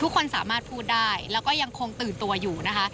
ทุกคนสามารถพูดได้แล้วก็ยังคงตื่นตัวอยู่นะคะ